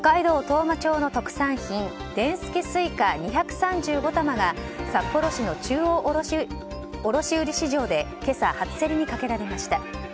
当麻町の特産品でんすけすいか、２３５玉が札幌市の中央卸売市場で今朝、初競りにかけられました。